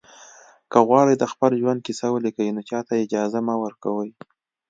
که غواړئ د خپل ژوند کیسه ولیکئ نو چاته اجازه مه ورکوئ.